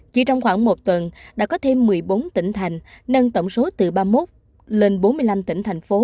chỉ trong khoảng một tuần đã có thêm một mươi bốn tỉnh thành nâng tổng số từ ba mươi một lên bốn mươi năm tỉnh thành phố